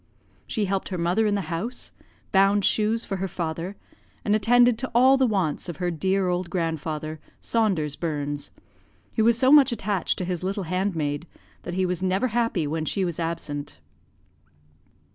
She helped her mother in the house, bound shoes for her father, and attended to all the wants of her dear old grandfather, Saunders Burns; who was so much attached to his little handmaid, that he was never happy when she was absent.